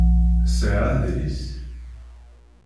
Sɛiɣ adlis